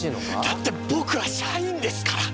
だって僕は社員ですから！